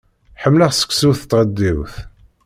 Ḥemmleɣ seksu s tɣeddiwt.